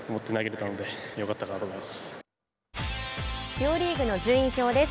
両リーグの順位表です。